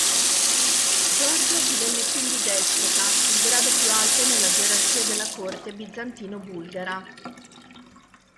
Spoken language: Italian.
Giorgio divenne quindi despota, il grado più alto nella gerarchia della corte bizantino-bulgara.